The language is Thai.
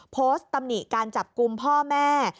ตำหนิการจับกลุ่มพ่อแม่